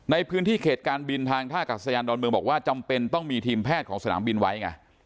ในพื้นที่เขตการบินทางท่ากัศยานดอนเมืองบอกว่าจำเป็นต้องมีทีมแพทย์ของสนามบินไว้ไง